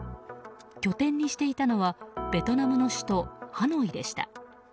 拠点にしていたのはベトナムの首都ハノイでした。